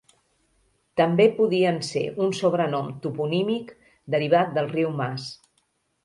També podien ser un sobrenom toponímic derivat del riu Maas.